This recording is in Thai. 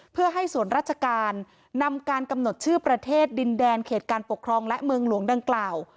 เพื่อให้ส่วนราชการนำการกำหนดชื่อประเทศดินแดนเขตการปกครองและเมืองหลวงดังกล่าว